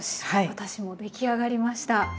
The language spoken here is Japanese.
私もできあがりました。